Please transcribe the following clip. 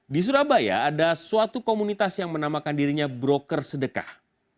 di surabaya ada suatu komunitas yang menamakan dirinya broker sedekah